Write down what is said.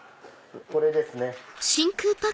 これですね。